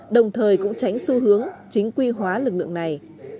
đồng thời cũng tránh xu hướng chính quy hóa lực lượng này